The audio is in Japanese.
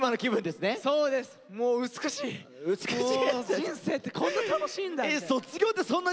人生ってこんな楽しいんだ！みたいな。